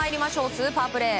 スーパープレー。